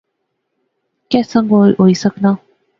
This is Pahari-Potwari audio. کہہ سنگ ہوئی سکنا